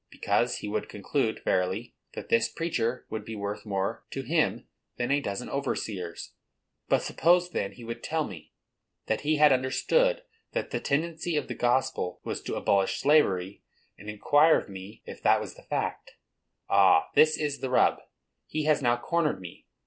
Because, he would conclude, verily, that this preacher would be worth more to him than a dozen overseers. But, suppose, then, he would tell me that he had understood that the tendency of the gospel was to abolish slavery, and inquire of me if that was the fact. Ah! this is the rub. He has now cornered me.